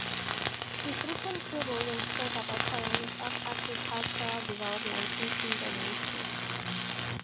He frequently wrote and spoke about challenges of agricultural development in Indonesia.